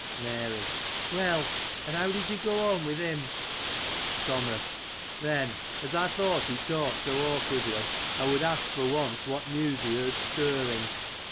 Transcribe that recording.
Mary. — Well, and how did you go on with him ? Thomas. — Then, as I thought he talked so awkardly, I would ask for once, what news he heard stirring.